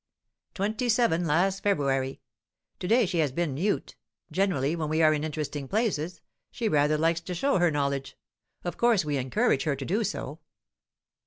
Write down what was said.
"Twenty seven, last February. To day she has been mute; generally, when we are in interesting places, she rather likes to show her knowledge of course we encourage her to do so.